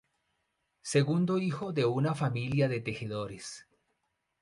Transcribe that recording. Segundo hijo de una familia de tejedores.